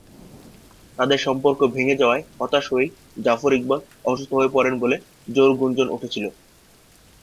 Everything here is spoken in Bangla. তাদের সম্পর্ক ভেঙ্গে যাওয়ায় হতাশ হয়েই জাফর ইকবাল অসুস্থ হয়ে পড়েন বলে জোর গুঞ্জন উঠেছিল।